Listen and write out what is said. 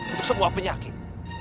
untuk semua penyakit